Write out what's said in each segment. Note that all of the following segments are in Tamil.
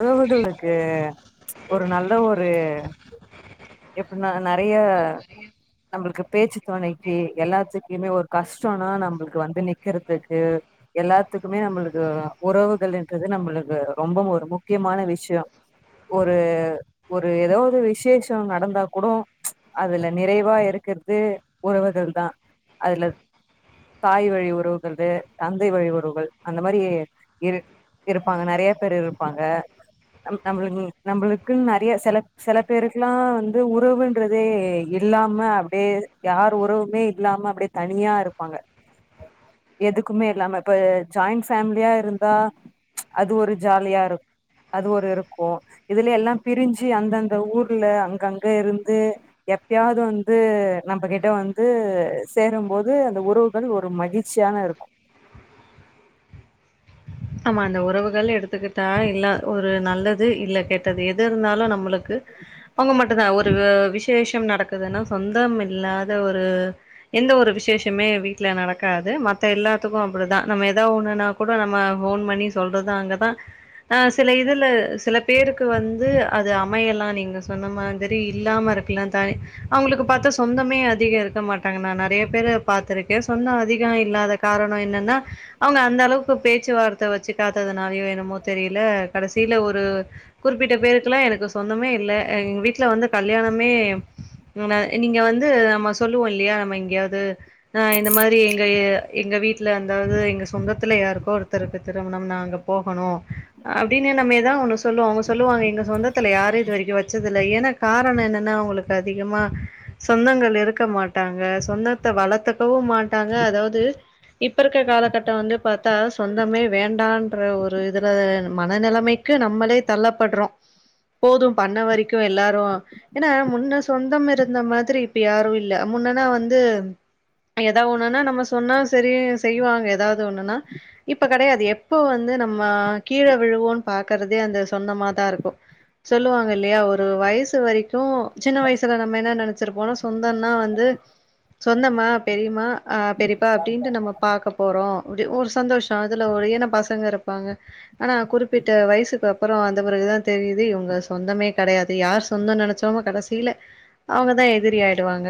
உறவுகள் இருக்கு ஒரு நல்ல ஒரு எப்டினா நெறைய நம்மளுக்கு பேச்சு துணைக்கு எல்லாத்துக்குமே ஒரு கஷ்டம்னா நம்மளுக்கு வந்து நிக்கிறதுக்கு எல்லாத்துக்குமே நம்மளுக்கு உறவுகள்ன்றது நம்மளுக்கு ரொம்ப ஒரு முக் கியமான விஷ்யோ ஒரு ஒரு ஏதோ ஒரு விசேஷோ நடந்தா கூடு அதுல நிறைவா இருக்கிது உறவுகள் தா அதுல தாய் வழி உறவுகள்து தந்தை வழி உறவுகள் அந்த மாரி இரு இருப்பாங்க நெறைய பேர் இருப்பாங்க நம் நம்ளுக் நம்மளுக்குனு நிறைய சில சில பேருக்குலா வந்து உறவுன்றதே இல்லாம அப்டியே யார் உறவுமே இல்லாம அப்டியே தனியா இருப்பாங்க எதுக்குமே இல்லாம இப்ப ஜாயிண்ட் ஃபேமிலியா இருந்தா அது ஒரு ஜாலியா இருக் அது ஒரு இருக்கு இதுல எல்லாம் பிரிஞ்சு அந்தந்த ஊர்ல அங்கங்க இருந்து எப்பயாவது வந்து நம்மகிட்ட வந்து சேரும்போது அந்த உறவுகள் ஒரு மகிழ்ச்சியான இருக்கு ஆமா அந்த உறவுகள் எடுத்துக்கிட்டா இல்ல ஒரு நல்லது இல்ல கெட்டது எது இருந்தாலு நம்மளுக்கு அவங்க மட்டும் தா ஒரு விசேஷம் நடக்குதுன்னா சொந்தம் இல்லாத ஒரு எந்த ஒரு விசேஷமே வீட்டுல நடக்காது மத்த எல்லாத்துக்கும் அப்டிதா நம்ம எதாவதுஒண்ணுனா கூட நம்ம ஃபோன் பண்ணி சொல்றது அங்க தா ஆ சில இதுல சில பேருக்கு வந்து அது அமையலா நீங்க சொன்ன மாதிரி இல்லாம இருக்கலா தா அவங்களுக்கு பார்த்தா சொந்தமே அதிகம் இருக்க மாட்டாங்க நா நிறைய பேரு பாார்த்திருக்கே சொந்தம் அதிகம் இல்லாத காரணம் என்னன்னா அவங்க அந்த அளவுக்கு பேச்சுவார்த் வச்சு காத்ததுனாலயோ என்னமோ தெரில கடைசியில ஒரு குறிப்பிட்ட பேருக்குல்லா எனக்கு சொந்தமே இல்ல எங்க வீட்ல வந்து கல்யாணமே நீங்க வந்து நம்ம சொல்லுவோ இல்லையா நம்ம எங்கயாவது ஆ இந்த மாதிரி எங்க எங்க வீட்டுல அதாவது எங்க சொந்தத்துல யாருக்கோ ஒருத்தருக்கு திருமணம் நா அங்க போகணு அப்டின்னு நம்ம எதா ஒன்னு சொல்லுவோ அவங்க சொல்லுவாங்க உங்க சொந்தத்துல யாரு இதுவரைக்கு வச்சது இல்ல ஏன்னா காரணோ என்னன்னா அவங்களுக்கு அதிகமா சொந்தங்கள் இருக்க மாட்டாங்க சொந்தத்த வளத்துக்கவு மாட்டாங்க அதாவது இப்ப இருக்க காலகட்டோ வந்து பாத்தா சொந்தமே வேண்டான்ற ஒரு இதுல மன நெலைமைக்கு நம்மளே தள்ளப்பட்றோ போது பண்ண வரைக்கு எல்லாரு ஏன்னா முன்ன சொந்தம் இருந்த மாதிரி இப்ப யாரு இல்ல முன்னனா வந்து ஏதா ஒண்ணுன்னா நம்ம சொன்னா செரி செய்வாங்க எதாவது ஒண்ணுன்னா இப்ப கெடையாது எப்போ வந்து நம்ம கீழ விழுவோன்னு பாக்கறதே அந்த சொந்தமாதா இருக்கு. சொல்லுவாங்க இல்லையா ஒரு வயசு வரைக்கு சின்ன வயசுல நம்ம என்ன நெனைச்சிருப்போனா சொந்தம்னா வந்து சொந்தமா பெரியம்மா ஆ பெரியப்பா அப்டின்ட்டு நம்ம பாக்க போறோ அப்டி ஒரு சந்தோஷோ அதுல ஒரு ஏன்னா பசங்க இருப்பாங்க ஆனா குறிப்பிட்ட வயசுக்கு அப்புறோ வந்த பிறகுதா தெரியுது இவுங்க சொந்தமே கெடையாது யார் சொந்தோன்னு நெனைச்சோமோ கடைசில அவுங்கதா எதிரி ஆயிடுவாங்க.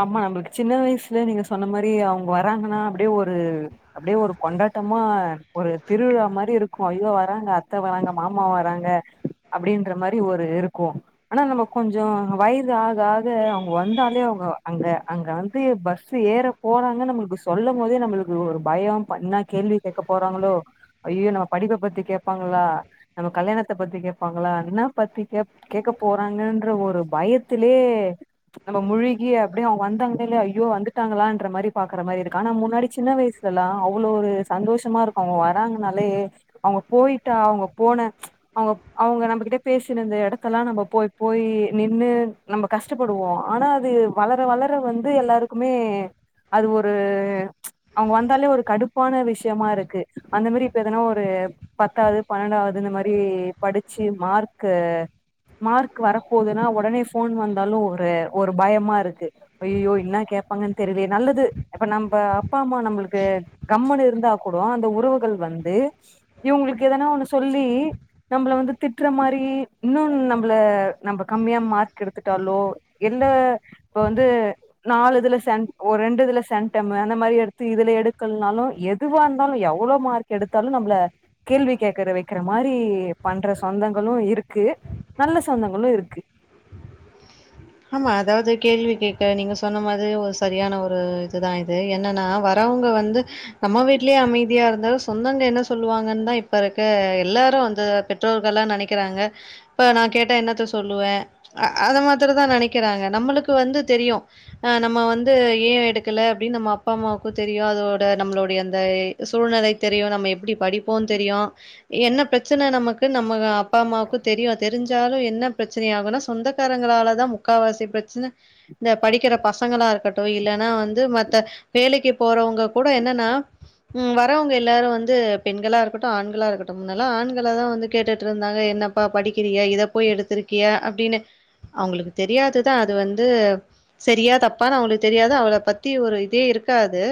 ஆமா நம்பளுக்கு சின்ன வயசுல நீங்க சொன்ன மாரி அவுங்க வராங்கன்னா அப்டியே ஒரு அப்டியே ஒரு கொண்டாட்டமா ஒரு திருவிழா மாரி இருக்கு ஐயோ வராங்க அத்த வராங்க மாமா வராங்க அப்டின்ற மாரி ஒரு இருக்கு ஆனா நம்ம கொஞ்சோ வயது ஆக ஆக அவுங்க வந்தாலே அவுங்க அங்க அங்க வந்து பஸ் ஏற் போறாங்கன்னு நம்மளுக்கு சொல்லம் போதே நம்மளுக்கு ஒரு பயோ இப்ப என்ன கேள்வி கேக்க போறாங்களோ ஐயயோ நம்ம படிப்ப பத்தி கேப்பாங்களா நம்ம கல்யாணத்த பத்தி கேப்பாங்களா என்ன பத்தி கேக் கேக்க போறாங்கன்ற ஒரு பயத்திலயே நம்ப முழி அப்டியே அவங்க வந்தாங்களா இல்லயோ ஐயோ வந்துட்டாங்களான்ற மாரி பாக்குற மாரி இருக்கு ஆனா முன்னாடி சின்ன வயசுல எல்லா அவ்ளோ ஒரு சந்தோஷமா இருக்கு அவங்க வராங்கனாலே அவங்க போயிட்டா அவங்க போன அவங்க அவங்க நம்பகிட்ட பேசுன இந்த எடத்தெல்லா நம்ப போய் போய் நின்னு நம்ப கஷ்டப்படுவோ ஆனா அது வளர வளர வந்து எல்லாருக்குமே அது ஒரு அவங்க வந்தாலே ஒரு கடுப்பான விஷயமா இருக்கு அந்த மாரி இப்ப எதனா ஒரு பத்தாவது பன்னெண்டாவது இந்த மாரி படிச்சு மார்க்கு மார்க் வரப்போதுனா உடனே ஃபோன் வந்தாலு ஒரு ஒரு பயமா இருக் கு ஐயயோ என்னா கேப்பாங்கன்னு தெரியலையே நல்லது இப்ப நம்ப அப்பா அம்மா நம்மளுக்கு கம்முன்னு இருந்தா கூடோ அந்த உறவுகள் வந்து இவங்களுக்கு எதனா ஒண்ணு சொல்லி நம்பள வந்து திட்ற மாரி இன்னு நம்பள நம்ப கம்மியா மார்க் எடுத்துட்டாலோ எந்த இப்ப வந்து நாலு இதுல சென்ட் ஒரு ரெண்டு இதுல சென்டமு அந்த மாரி எடுத்து இதுல எடுக்கலனாலு எதுவா இருந்தாலு எவ்ளோ மார்க் எடுத்தாலு நம்மள கேள்வி கேக்குற வைக்கிற மாரி பண்ற சொந்தங்களு இருக்கு நல்ல சொந்தங்களு இருக்கு. ஆமா அதாவது கேள்வி கேக்க நீங்க சொன்ன மாதிரி ஒரு சரியான ஒரு இதுதா இது என்னன்னா வரவங்க வந்து நம்ம வீட்லயே அமைதியா இருந்தாலு சொந்தங்க என்ன சொல்லுவாங்கன்தா இப்ப இருக்க எல்லாரு வந்து பெற்றோர்கள்லா நெனைக்கிறாங்க இப்ப நா கேட்டா என்னத்த சொல்லுவே அ அத மாத்தராந் தா நெனைக்கிறாங்க நம்மளுக்கு வந்து தெரியு ஆ நம்ம வந்து ஏன் எடுக்கல அப்டின்னு நம்ம அப்பா அம்மாவுக்கு தெரியு அதோட நம்மளுடைய அந்த சூழ்நிலை தெரியு நம்ம எப்டி படிப்போன்னு தெரியு என்ன பிரச்சன நமக்கு நம்ம அப்பா அம்மாவுக்கு தெரியு தெரிஞ்சாலு என்ன பிரச்சனை ஆகுன்னா சொந்தக்காரங்களால தா முக்காவாசி பிரச்சன இந்த படிக்கிற பசங்களா இருக்கட்டு இல்லன்னா வந்து மத்த வேலைக்கு போறவங்க கூட என்னன்னா ம் வரவங்க எல்லாரு வந்து பெண்களா இருக்கட்டு ஆண்களா இருக்கட்டு முன்னல்லா ஆண்களதா வந்து கேட்டுட்ருந்தாங்க என்னப்பா படிக்கிறியா இத போய் எடுத்திருக்கியா அப்டின்னு அவங்களுக்கு தெரியாதுதா அது வந்து சரியா தப்பான்னு அவங்களுக்கு தெரியாது அவங்கள பத்தி ஒரு இதே இருக்காது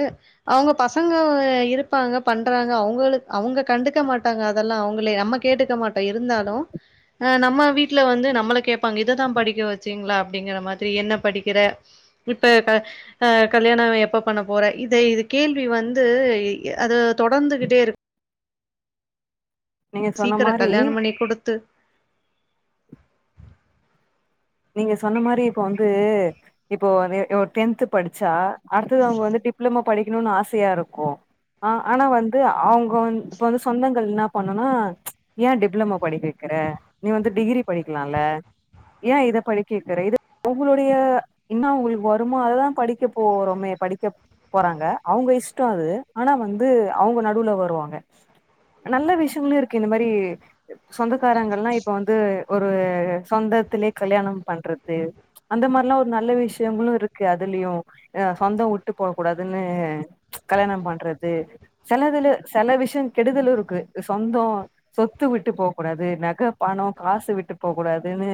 அவங்க பசங்க இருப்பாங்க பண்றாங்க அவங்களுக் அவங்க கண்டுக்க மாட்டாங்க அதெல்லா அவங்கள நம்ம கேட்டுக்க மாட்டோ இருந்தாலு ஆ நம்ம வீட்ல வந்து நம்மள கேப்பாங்க இததா படி க்க வச்சீங்களா அப்டிங்கற மாதிரி என்ன படிக்கிற இப்ப க ஆ கல்யாணோ எப்ப பண்ண போற இத இது கேள்வி வந்து எ யே அது தொடர்ந்துகிட்டே இரு நீங்க சொன்ன சீக்கிரோ மாரி கல்யாணம் பண்ணி குடுத்து நீங்க சொன்ன மாரி இப்ப வந்து இப்போ இது ஆ டென்த்து படிச்சா அடுத்தது அவங்க வந்து டிப்ளமோ படிக்கணுன்னு ஆசையா இருக்கு ஆ ஆனா வந்து அவங்க வந் இப்ப வந்து சொந்தங்கள் இன்னா பண்ணுன்னா யேன் டிப்ளமோ படிக்க வெக்கிற நீ வந்து டிகிரி படிக்கலா இல்ல ஏன் இத படிக்க வெக்கிற இது உங்களுடைய இன்னா உங்களுக்கு வருமோ அததா படிக்க போறோமே படிக்க போறாங்க அவங்க இஷ்டோ அது ஆனா வந்து அவங்க நடுவுல வருவாங்க அ நல்ல விஷயங்களு இருக்கு இந்த மாரி சொந்த க்காரங்கல்லா இப்ப வந்து ஒரு சொந்தத்திலயே கல்யாணம் பண்றது அந்த மாரிலா ஒரு நல்ல விஷயங்களு இருக்கு அதுலயு ஆ சொந்தோ உட்டு போக கூடாதுன்னு கல்யாண, பண்றது செலதுல செல விஷயங் கெடுதலு இருக்கு அ சொந்தோ சொத்து விட்டு போகக் கூடாது நக பணோ காசு விட்டு போகக் கூடாதுன்னு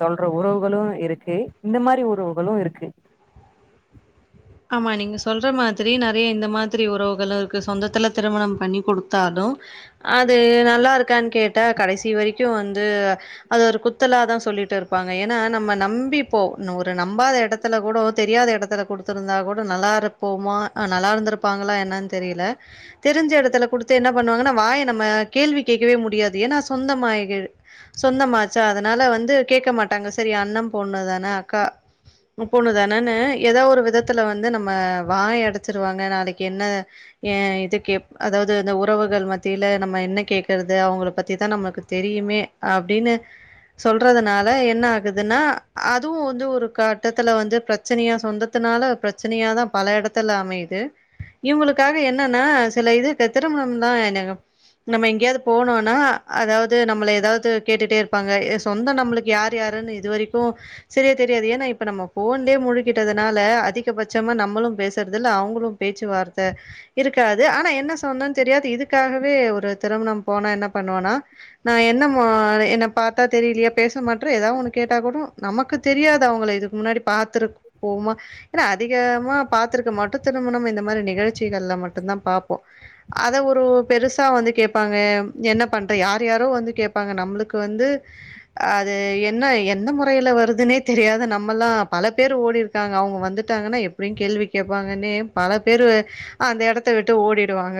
சொல் ற உறவுகளு இருக்கு இந்த மாரி உறவுகளு இருக்கு ஆமா நீங்க சொல்ற மாதிரி நெறைய இந்த மாதிரி உறவுகளு இருக்கு சொந்தத்துல திருமணம் பண்ணி குடுத்தாலு அது நல்லா இருக்கான்னு கேட்டா கடைசி வரைக்கு வந்து அது ஒரு குத்தலாதா சொல்லிட்டு இருப்பாங்க ஏன்னா நம்ம நம்பி இப்போ ஒரு நம்பாத எடத்துல கூடோ தெரியாத எடத்துல கொடுத்து ந்தா கூட நல்லா இருப்போமா ஆ நல்லா இருந்திருப்பாங்களா என்னன்னு தெரியல. தெரிஞ்ச எடத்துல குடுத்து என்னா பண்ணுவாங்கன்னா வாய நம்ம கேள்வி கேக்கவே முடியாது ஏன்னா சொந்தமாக சொந்தமாச்சா அதனால வந்து கேக்க மாட்டாங்க சரி அண்ண பொண்ணுதானே அக்கா பொண்ணுதானேன்னு ஏதோ ஒரு விதத் துல வந்து நம்ம வாய அடைச்சிருவாங்க நாளைக்கி என்ன ஏ இதுக்கு அதாவது இந்த ஓ உறவுகள் மத்தியில நம்ம என்ன கேக்குறது அவங்கள பத்திதா நமக்கு தெரியுமே அப்டின்னு சொல்றதுனால என்ன ஆகுதுன்னா அதுவு வந்து ஒரு கட்டத்துல வந்து பிரச்சனையா சொந்தத்துனால பிரச்சனையாதா பல எடத்துல அமையுது. இவங்களுக்காக என்னன்னா சில இதுக்கு திருமணம்னா என்னங்க நம்ம எங்கயாது போனோன்னா அதாவது நம்மள ஏதாவது கேட்டுட்டே இருப்பாங்க எ சொந்தோ நம்மளுக்கு யார் யாருன்னு இது வரைக்கு செரியா தெரியாது. ஏன்னா இப்ப நம்ம ஃபோன்லயே முழுகிட்டதுனால அதி கபட்சமா நம்மளு பேசறது இல்ல அவங்களு பேச்சுவார்த்த இருக்காது ஆனா என்ன சொந்தன்னு தெரியாது இதுக்காகவே ஒரு திருமணம் போனா என்ன பண்ணுவோன்னா நா என்ன மா என்ன பாத்தா தெரியலையா பேச மாட்ர ஏதாவது ஒண்ணு கேட்டா கூட நமக்கு தெரியாது அவங்கள இதுக்கு முன்னாடி பாத்திருப்போமா இதுல அதிகமா பாத்திருக்க மாட்டோ திருமணம் இந்த மாரி நிகழ்ச்சிகள்ல மட்டும்தா பாப்போ அத ஒரு பெருசா வந்து கேப்பாங்க என்ன பனண்ற யாரு யாரோ வந்து கேப்பாங்க நம்முளுக்கு வந்து ஆ அது என்ன எந்த முறையில வருதுன்னே தெரியாத நம்மல்லா பல பேர் ஓடிருக்காங்க அவங்க வந்து ட்டாங்கன்னா எப்படியும கேள்வி கேப்பாங்கன்னே பல பேரு அந்த எடத்த விட்டு ஓடிடுவாங்க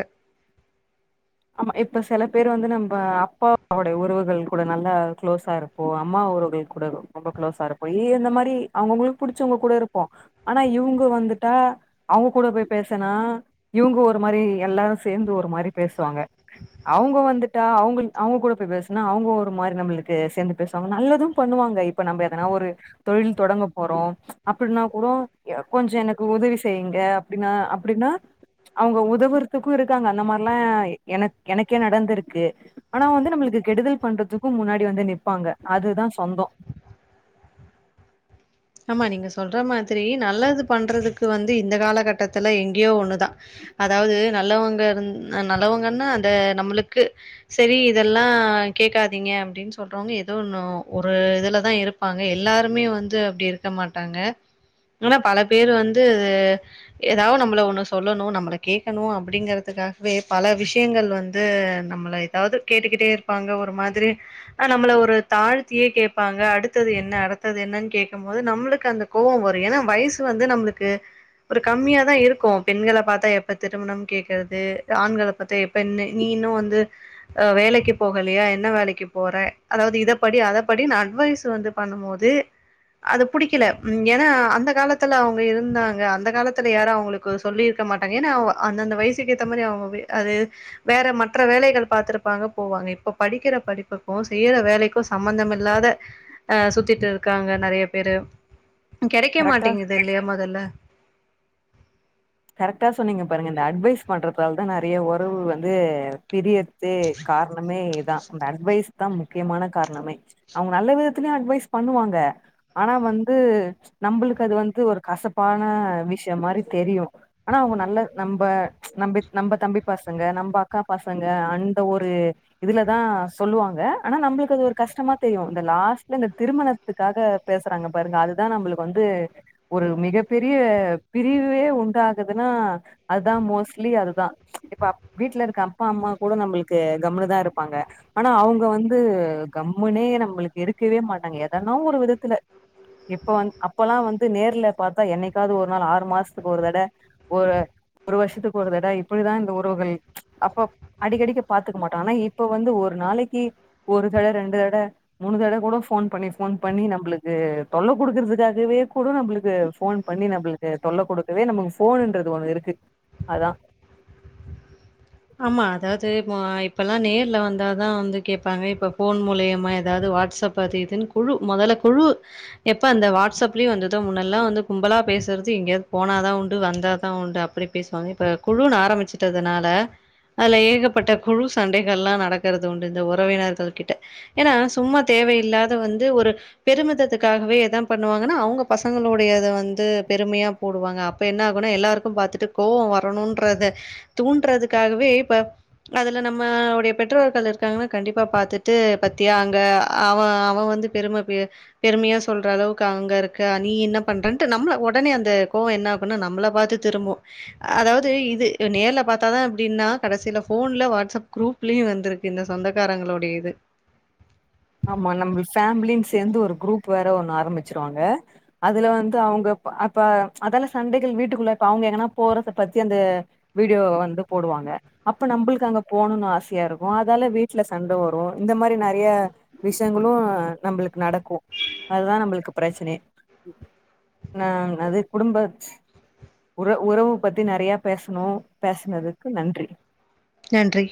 ஆமா இப்ப சில பேர் வந்து நம்ப அப்பாவோடைய உறவுகள் கூட நல்லா குளோஸா இருப்போ அம்மா உறவுகள் கூட ரொம்ப குளோஸா இருப்போ. ஏ இந்த மாரி அவங்கவுங்களுக்கு புடிச்சவங்க கூட இருப்போ ஆனா இவங்க வந்துட்டா அவங்க கூட போய் பேசுனா இவங்க ஒரு மாரி எல்லாரும் சேந்து ஒரு மாரி பே சுவாங்க அவுங்க வந்துட்டா அவங்கள் அவுங்க கூட போய் பேசுனா அவங்க ஒரு மாரி நம்மளுக்கு சேந்து பேசுவாங்க நல்லதும் பண்ணுவாங்க இப்ப நம்ம எதனா ஒரு தொழில் தொடங்க போறோ அப்டின்னா கூட ஆ கொஞ்சோ எனக்கு உதவி செய்யுங்க அப்டின்னா அப்டின்னா அவங்க உதவுறக்குக்கு இருக்காங்க அந்த மாரிலா எனக் எனக்கே நடந்திருக்கு. ஆனா வந்து நம்மளுக்கு கெடுதல் பண்றதுக்கு முன்னாடி வந்து நிப்பாங்க அதுதா சொந்தோ ஆமா நீங்க சொல்ற மாதிரி நல்லது பண்றதுக்கு வந்து இந்த காலகட்டத்துல எங்கயோ ஒண்ணுதா அதாவது நல்லவங்க இருந் ஆ நல்லவங்கன்னா அந்த நம்மளுக்கு சரி இதெல்லா கேக்காதீங்க அப்டின்னு சொல்றவங்க ஏதோ ஒன்னு ஒரு இதுலதா இருப்பாங்க எல்லாருமே வந்து அப்டி இரு க்க மாட்டாங்க ஆனா பல பேரு வந்து எதாவது நம்மள ஒண்ணு சொல்லணு நம்மள கேக்கணு அப்டிங்கறதுக்காகவே பல விஷயங்கள் வந்து நம்மள எதாவது கேட்டுக்கிட்டே இருப்பாங்க ஒரு மாதிரி ஆ நம்மள ஒரு தாழ்த்தியே கேப்பாங்க அடுத்தது என்ன அடுத்தது என்னன்னு கேக்கம் போது நம்மளுக்கு அந்த கோவோ வரு ஏன்னா வயசு வந்து நம்மளுக்கு ஒரு கம்மியாதா இருக்கு பெண்கள பாத்தா எப்ப திருமணம் கேக்குறது ஆண்கள பாத்தா எப்ப நீ நீ இன்னு வந்து ஆ வேலைக்கு போகலையா என்ன வேலைக்கு போற அதாவது இத படி அத படின்னு அட்வைஸ் வந்து பண்ணும் போது அது புடிக்கல ம் ஏன்னா அந்த காலத்துல அவங்க இருந்தாங்க அந்த காலத்துல யாரு அவங்களுக்கு சொல்லிருக்க மாட்டாங்க ஏன்னா அவ அந்தந்த வயசுக்கு ஏத்த மாரி அவங்க இ அது வேற மற்ற வேலைகள் பாத்திருப்பாங்க போவாங்க இப்போ படிக்கிற படிப்புக்கு செய்யிற வேலைக்கு சம்பமந்தம் இல்லாத ஆ சுத்திட்டு இருக்காங்க நெறைய பேரு ம் கெடைக்க கரெக்டா மாட்டேங்குது இல்லையா மொதல்ல கரெக்டா சொன்னீங்க பாருங்க இந்த அட்வைஸ் பண்றதால தா நறைய உறவு வந்து பிரியரத்தே காரணமே தா இந்த அட்வைஸ் தா முக்கியமான காரணமே அவங்க நல்லவிதத்ளையு அட்வைஸ் பண்ணுவாங்க ஆனா வந்து நம்மளுக்கு அது வந்து ஒரு கசப்பான விஷயம் மாரி தெரியு ஆனா அவங்க நல்ல நம்ம நம்ம தம்பி பசங்க நம்ம அக்கா பசங்க அந்த ஒரு இதுளதா சொல்லுவாங்க ஆனா நம்மளுக்கு அது ஒரு கஷ்டமா தெரியு இந்த லாஸ்ட்ல இந்த திருமணத்துக்காக பேசுறாங்க பாருங்க அதுதான் நம்மளுக்கு வந்து ஒரு மிகப்பெரிய பிரிவே உண்டு ஆதுனா அதுதா மோஸ்லி அதுதான் இப்ப வீட்டுல இருக்க அப்பா அம்மா கூட நம்மளுக்கு கம்னு தா இருப்பாங்க ஆனா அவங்க வந்து கம்முனே நம்மளுக்கு இருக்கவே மாட்டாங்க எதனா ஒரு விதத்துல இப்ப வ அப்பல்லா வந்து நேர்ல பார்த்தா என்னைக்காவது ஒரு நாள் ஆறு மாசத்துக்கு ஒரு தட ஒரு ஒரு வருஷத்துக்கு ஒரு தட இப்டிதா இந்த உறவுகள் அப்போ அடிக்கடிக்கி பாத்துக்க மாட்டோ ஆனா இப்ப வந்து ஒரு நாளைக்கு ஒரு தட ரெண்டு தட மூணு தடவ கூட ஃபோன் பண்ணி ஃபோன் பண்ணி நம்மளுக்கு தொல்ல கொடுக்கறதுக்காகவே கூட நம்மளுக்கு ஃபோன் பண்ணி நம்மளுக்கு தொல்ல குடுக்கவே நம்ம போணுன்றது ஒண்ணு இருக்கு அதா ஆமா அதாவது இப்ப இப்பெல்லா நேர்ல வந்தாதா வந்து கேட்பாங்க இப்ப போன் மூலியமா ஏதாவது வாட்ஸ்அப் அது இதுன்னு குழு முதல்ல குழு எப்ப அந்த வாட்ஸ்அப்லயு வந்துதோ முன்னெல்லாம் வந்து கும்பலா பேசுறது எங்கேயாவது போனாதா உண்டு வந்தாதா உண்டு அப்படி பேசுவாங்க இப்ப குழுன்னு ஆரம்பிச்சுட்டதுனால அதுல ஏகப்பட்ட குழு சண்டைகல்லா நடக்குறது உண்டு இந்த உறவினர்கள் கிட்ட ஏன்னா சும்மா தேவையில்லாத வந்து ஒரு பெருமிதத்துக்காகவே எதான் பண்ணுவாங்கன்னா அவங்க பசங்களுடைய வந்து பெருமையா போடுவாங்க அப்ப என்ன ஆகும்னா எல்லாருக்கும் பாரத்துட்டு கோவம் வரணும்ன்றத தூண்றதுக்கு காகவே இப்ப அதுல நம்மடைய பெற்றோர்கள் இருக்காங்கன்னா கண்டிப்பா பாத்துட்டு பாத்தியா அங்க அவெ வந்து பெருமை பெருமையா சொல்ற அளவுக்கு அங்க இருக்கா நீ என்ன பண்ற நம் உடனே அந்த கோவோ என்ன நம்மள பாத்து திரும்பு அதாவது இது நேர்ல பார்த்தாதா ப்டினா கடைசியில ஃபோன்ல வாட்ஸ்அப் குரூப்லயு வந்திருக்கு இந்த சொந்தக்காரங்களுடைய இது ஆமா நம்ம ஃபேம்லின்னு சேர்ந்து ஒரு குரூப் வேற ஒண்ணு ஆரம்பிச்சிருவாங்க அதுல வந்து அவங்க அப்ப அதால சண்டைகள் வீட்டுக்குள்ள இப்ப அவங்க எங்கன்னா போறத பத்தி அந்த வீடியோ வந்து போடுவாங்க அப்ப நம்மளுக்கு அங்க போணும்னு ஆசையா இருக்கு அதால வீட்டுல சண்டை வரும் இந்த மாரி நறைய விஷயங்களும் நம்மளுக்கு நடக்கு அதுதா நம்மளுக்கு பிரச்சனை நா அது குடும்ப உற உறவு பத்தி நிறைய பேசணு பேசனதுக்கு நன்றி நன்றி